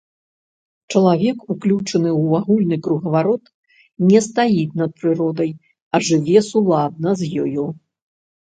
Чалавек уключаны ў агульны кругаварот, не стаіць над прыродай, а жыве суладна з ёю.